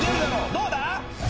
どうだ？